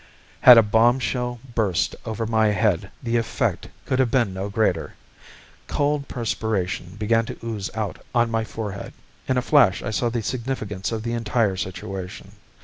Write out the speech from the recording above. _" Had a bombshell burst over my head the effect could have been no greater. Cold perspiration began to ooze out on my forehead. In a flash I saw the significance of the entire situation.